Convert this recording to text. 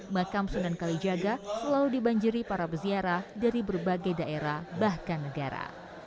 makam senang kali jaga selalu dibanjiri para berziarah dari berbagai daerah bahkan negara